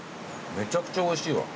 めちゃくちゃおいしいわ。